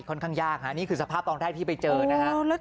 ค่อนข้างยากฮะนี่คือสภาพตอนแรกที่ไปเจอนะฮะ